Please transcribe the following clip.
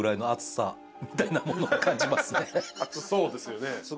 熱そうですよね。